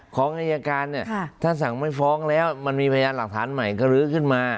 ของอายการเนี่ยถ้าสั่งไม่ฟ้องแล้วมันมีพยานหลักฐานใหม่ก็ลื้อขึ้นมา